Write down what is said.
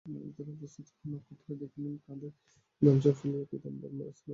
নদীতীরে উপস্থিত হইয়া নক্ষত্ররায় দেখিলেন, কাঁধে গামছা ফেলিয়া পীতাম্বর স্নান করিতে আসিয়াছেন।